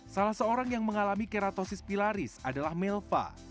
salah seorang yang mengalami keratosis pilaris adalah melva